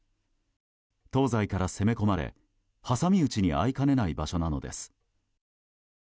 東西から攻め込まれ、挟み撃ちに遭いかねない場所なのです。